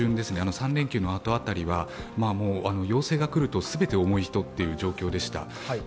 ３連休のあとあたりは陽性が来ると全て重い人という状況でした。